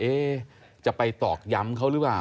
จะไปตอกย้ำเขาหรือเปล่า